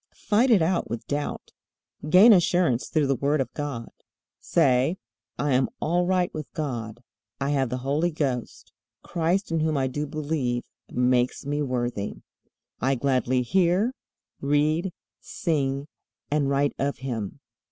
Fight it out with doubt. Gain assurance through the Word of God. Say: "I am all right with God. I have the Holy Ghost. Christ, in whom I do believe, makes me worthy. I gladly hear, read, sing, and write of Him.